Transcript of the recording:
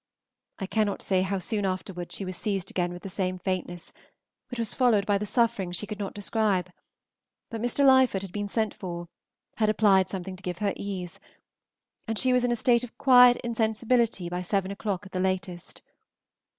I cannot say how soon afterwards she was seized again with the same faintness, which was followed by the sufferings she could not describe; but Mr. Lyford had been sent for, had applied something to give her ease, and she was in a state of quiet insensibility by seven o'clock at the latest.